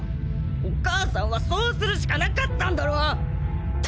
お母さんはそうするしかなかったんだろ。